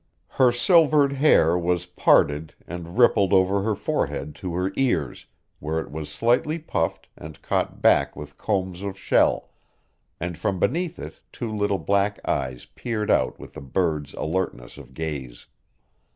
Her silvered hair was parted and rippled over her forehead to her ears where it was slightly puffed and caught back with combs of shell, and from beneath it two little black eyes peered out with a bird's alertness of gaze.